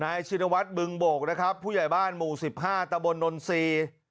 นายชินวัฒน์บึงโบกนะครับผู้ใหญ่บ้านหมู่๑๕ตบนนซี